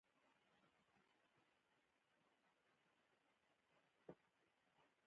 څوک چي څونه پر نورو بد ګومانه يي؛ هغونه پرځان هم يي.